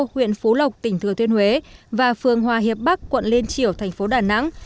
huyện phú lộc tỉnh thừa thuyên huế và phường hòa hiệp bắc quận lên triểu thành phố đà nẵng